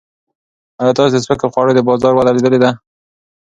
ایا تاسو د سپکو خوړو د بازار وده لیدلې ده؟